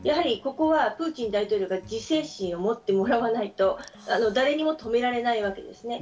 プーチン大統領が自制心を持ってもらわないと誰にも止められないわけです。